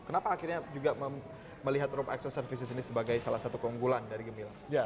kenapa akhirnya juga melihat room acces services ini sebagai salah satu keunggulan dari gemilang